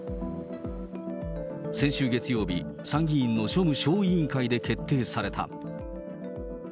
先週月曜日、参議院の庶務小委員会で決定された。